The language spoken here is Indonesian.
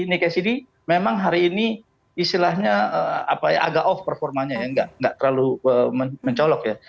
nikes ini memang hari ini istilahnya agak off performanya ya nggak terlalu mencolok ya